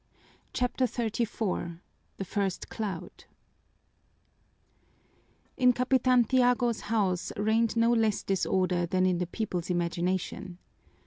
CHAPTER XXXVI The First Cloud In Capitan Tiago's house reigned no less disorder than in the people's imagination.